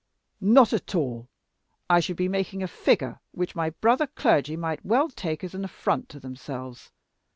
"Not at all. I should be making a figure which my brother clergy might well take as an affront to themselves.